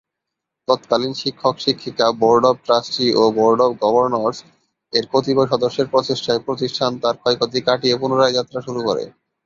তৎকালীন শিক্ষক-শিক্ষিকা, board of trustee ও বোর্ড অব গভর্নরস-এর কতিপয় সদস্যের প্রচেষ্টায় প্রতিষ্ঠান তার ক্ষয়ক্ষতি কাটিয়ে পুনরায় যাত্রা শুরু করে।